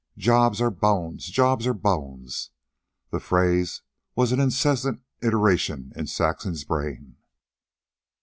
JOBS ARE BONES; JOBS ARE BONES. The phrase was an incessant iteration in Saxon's brain.